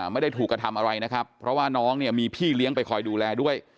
ไม่ได้ถูกกระทำอะไรนะครับเพราะว่าน้องเนี่ยมีพี่เลี้ยงไปคอยดูแลด้วย